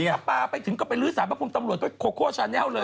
ถ้าปลาไปถึงก็ไปลื้อสารพระคุณตำรวจก็โคโคชาแนลเลย